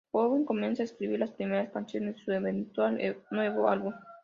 Downing comenzaron a escribir las primeras canciones de su eventual nuevo álbum.